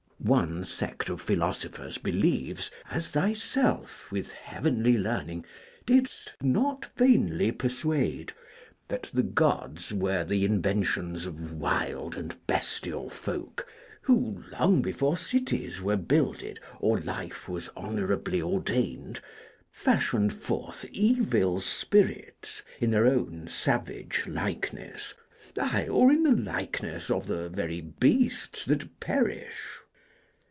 One sect of philosophers believes as thyself, with heavenly learning, didst not vainly persuade that the Gods were the inventions of wild and bestial folk, who, long before cities were builded or life was honourably ordained, fashioned forth evil spirits in their own savage likeness; ay, or in the likeness of the very beasts that perish.